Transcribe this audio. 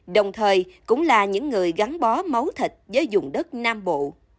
đồng thời cũng là những người gắn bó máu thịt với dùng đất nam bộ